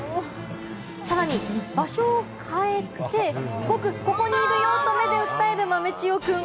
さらに場所を変えて、僕、ここにいるよと目で訴える豆千代くん。